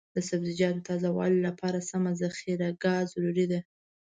د سبزیجاتو تازه والي لپاره سمه ذخیره ګاه ضروري ده.